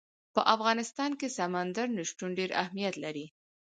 په افغانستان کې سمندر نه شتون ډېر اهمیت لري.